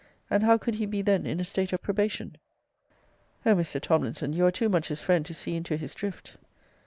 And how could he be then in a state of probation? O Mr. Tomlinson, you are too much his friend to see into his drift.